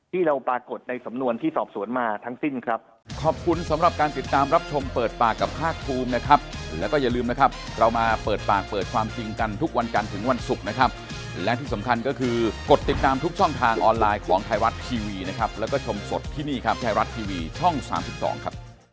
ที่เราปรากฏในสำนวนที่สอบสวนมาทั้งสิ้นครับ